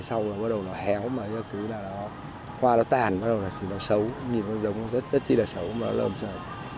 sau đó bắt đầu nó héo hoa nó tàn bắt đầu nó xấu nhìn con giống nó rất là xấu nó lồn sợ